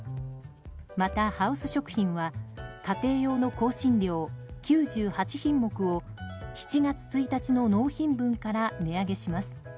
また、ハウス食品は家庭用の香辛料９８品目を７月１日の納品分から値上げします。